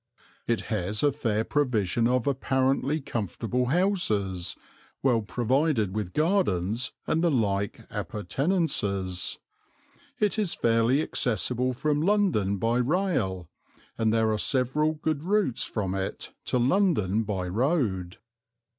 It has a fair provision of apparently comfortable houses, well provided with gardens and the like appurtenances; it is fairly accessible from London by rail, and there are several good routes from it to London by road.